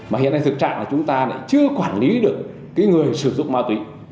mà hiện nay thực trạng là chúng ta lại chưa quản lý được cái người sử dụng ma túy